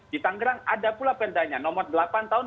di tanggerang ada pula perdanya nomor delapan tahun dua ribu delapan belas